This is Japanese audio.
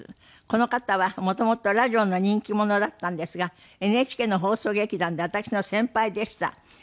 この方は元々ラジオの人気者だったんですがＮＨＫの放送劇団で私の先輩でした。